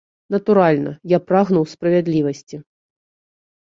Натуральна, я прагнуў справядлівасці.